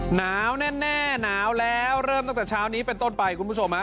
หนาวแน่หนาวแล้วเริ่มตั้งแต่เช้านี้เป็นต้นไปคุณผู้ชมฮะ